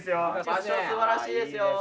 場所すばらしいですよ。